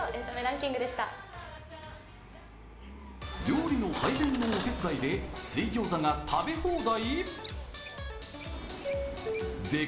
料理の配膳のお手伝いで水ギョーザが食べ放題？